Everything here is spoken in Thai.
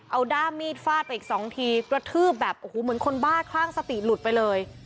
เอาด้ามมีดฟาดไปอีกสองทีกระทืบแบบโอ้โหเหมือนคนบ้าคลั่งสติหลุดไปเลย